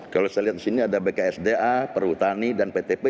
kalau saya lihat di sini ada bksda perhutani dan ptp